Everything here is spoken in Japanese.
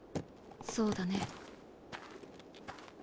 そうだね。